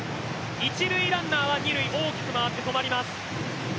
一塁ランナー、二塁大きく回ってとまります。